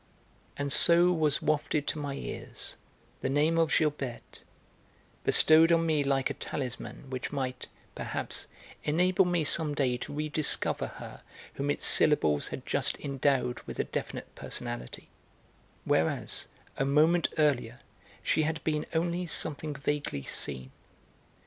And so was wafted to my ears the name of Gilberte, bestowed on me like a talisman which might, perhaps, enable me some day to rediscover her whom its syllables had just endowed with a definite personality, whereas, a moment earlier, she had been only something vaguely seen.